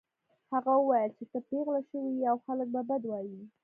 هغه وویل چې ته پیغله شوې يې او خلک به بد وايي